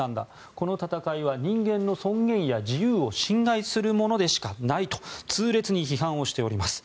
この戦いは人間の尊厳や自由を侵害するものでしかないと痛烈に批判しています。